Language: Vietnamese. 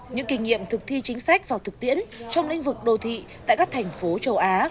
những kinh nghiệm thực thi chính sách vào thực tiễn trong lĩnh vực đô thị tại các thành phố châu á